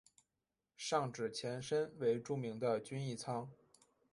上址前身为著名的均益仓。